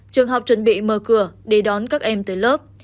trường học chuẩn bị mở cửa đi đón các em tới lớp